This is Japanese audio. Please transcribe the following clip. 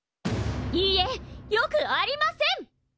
いいえよくありません！